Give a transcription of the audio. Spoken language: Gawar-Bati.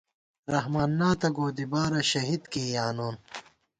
رحمان نا تہ گودیبارہ، شہید کېئی آنون